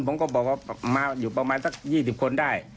ผมก็บอกว่ามาอยู่ประมาณสัก๒๐คนได้